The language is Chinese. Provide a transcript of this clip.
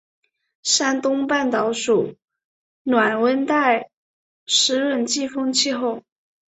山东半岛属暖温带湿润季风气候。